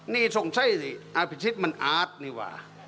นี่สงสัยสิอภิสิทธิ์มันอาจนี่หว่า